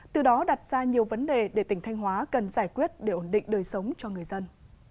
từ đó đặt ra nhiều vấn đề để tỉnh thanh hóa cần giải quyết để ổn định đời sống cho người dân